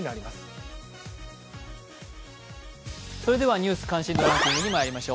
「ニュース関心度ランキング」にまいりましょう。